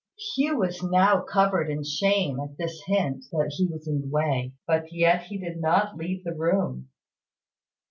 Hugh was now covered with shame at this hint that he was in the way; but yet he did not leave the room.